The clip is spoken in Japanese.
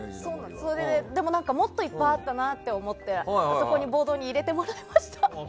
でも、もっといっぱいあったなと思ってボードに入れてもらいました。